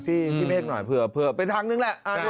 พี่เมฆหน่อยเผื่อเป็นทางนึงแหละ